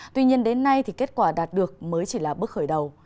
tuy nhiên đến nay thì kết quả đạt được mới chỉ là bước khởi đầu